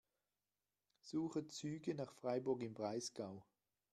Suche Züge nach Freiburg im Breisgau.